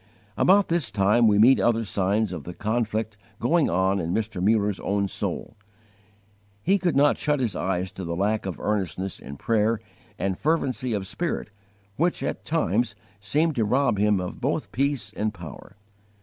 About this time we meet other signs of the conflict going on in Mr. Mullers own soul. He could not shut his eyes to the lack of earnestness in prayer and fervency of spirit which at times seemed to rob him of both peace and power.